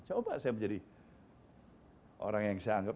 coba saya menjadi orang yang saya anggap